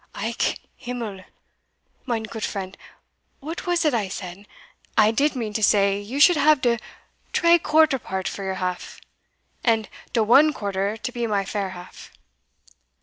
"Ach, himmel! Mein goot friend, what was it I said? I did mean to say you should have de tree quarter for your half, and de one quarter to be my fair half."